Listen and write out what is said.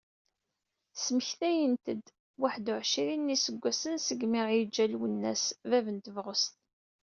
Smektayent-d waḥed u εecrin n yiseggasen segmi i aɣ-yeǧǧa Lwennas, bab n tebɣest.